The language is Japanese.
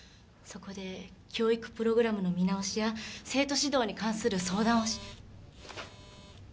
そこで教育プログラムの見直しや生徒指導に関する相談を。